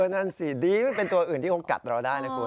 นั่นสิดีมันเป็นตัวอื่นที่เขากัดเราได้นะคุณ